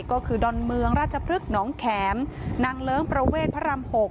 ก็คือดอนเมืองราชพฤกษ์หนองแข็มนางเลิ้งประเวทพระราม๖